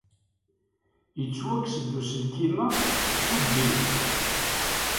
Yettwakkes-d uselkim-a seg tuddimt.